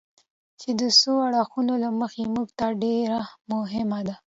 چې د څو اړخونو له مخې موږ ته ډېره مهمه ده.